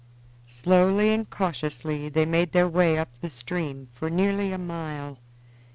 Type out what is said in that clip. Slowly and cautiously they made their way up the stream for nearly a mile.